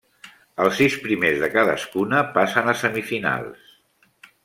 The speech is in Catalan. Els sis primers de cadascuna passen a semifinals.